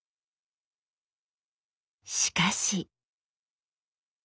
しかし。